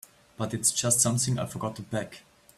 But it's just something I forgot to pack.